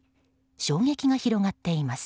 衝撃が広がっています。